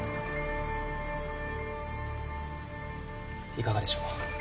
いかがでしょう？